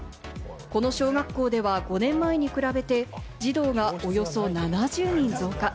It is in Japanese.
この小学校では５年前に比べて、児童がおよそ７０人増加。